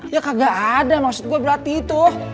ya kagak ada maksud gue berarti itu